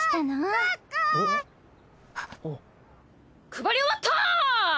配り終わった！